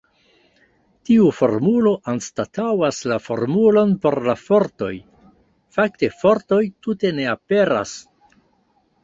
Tiu formulo anstataŭas la formulon por la fortoj; fakte fortoj tute ne aperas.